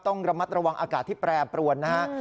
ต้องระมัดระวังอากาศที่แปรปรวนนะฮะ